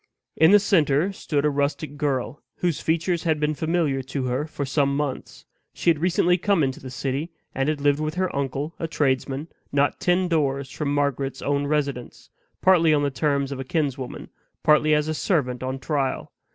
In the center stood a rustic girl, whose features had been familiar to her for some months. She had recently come into the city, and had lived with her uncle, a tradesman, not ten doors from Margaret's own residence, partly on the terms of a kinswoman, partly as a servant on trial.